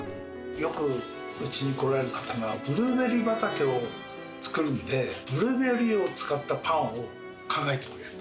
よくうちに来られる方が「ブルーベリー畑を作るんでブルーベリーを使ったパンを考えてくれ」と。